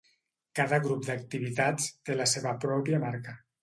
Cada grup d'activitats té la seva pròpia marca.